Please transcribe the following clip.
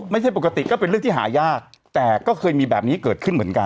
ไม่ใช่ปกติก็เป็นเรื่องที่หายากแต่ก็เคยมีแบบนี้เกิดขึ้นเหมือนกัน